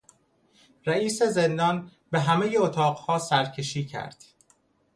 رئیس زندان به همهی اتاقها سرکشی کرد.